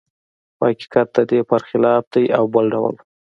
خو حقیقت د دې پرخلاف دی او بل ډول و